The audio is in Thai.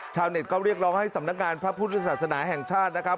ชาวเน็ตก็เรียกร้องให้สำนักงานพระพุทธศาสนาแห่งชาตินะครับ